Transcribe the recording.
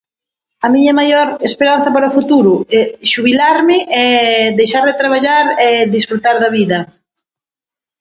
A miña maior esperanza para o futuro? Xubilarme, deixar de traballar e disfrutar da vida.